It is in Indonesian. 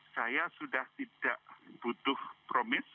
saya sudah tidak butuh promis